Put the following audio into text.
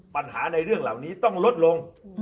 ปัญหาในเรื่องเหล่านี้ต้องลดลง